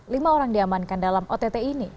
lima orang diamankan dalam ott ini